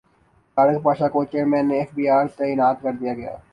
طارق پاشا کو chairman F B R تعینات کردیاگیا